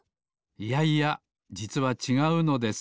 いやいやじつはちがうのです。